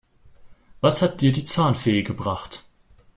Was hat dir die Zahnfee gebracht?